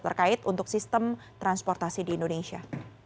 terkait untuk sistem transportasi di indonesia